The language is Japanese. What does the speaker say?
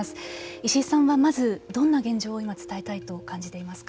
石井さん、まずどんな現状を今伝えたいと感じていますか。